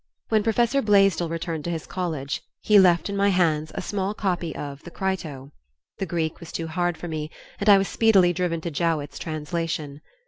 When Professor Blaisdell returned to his college, he left in my hands a small copy of "The Crito." The Greek was too hard for me, and I was speedily driven to Jowett's translation.